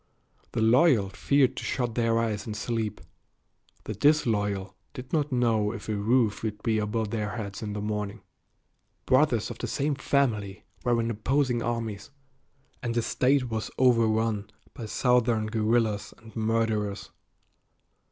The loyal feared to shut their eyes in sleep; the disloyal did not know if a roof would be above their heads in the morning. Brothers of the same family were in opposing armies, and the State was overrun by Southern guerrillas and murderers.